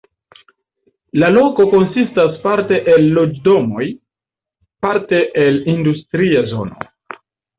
La loko konsistas parte el loĝdomoj, parte el industria zono.